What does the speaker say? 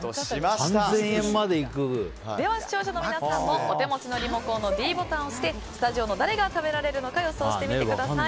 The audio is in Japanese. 視聴者の皆さんもお手持ちのリモコンのｄボタンを押してスタジオの誰が食べられるのか予想してみてください。